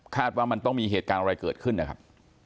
ว่ามันต้องมีเหตุการณ์อะไรเกิดขึ้นนะครับ